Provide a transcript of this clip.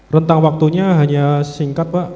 rentang waktunya hanya singkat pak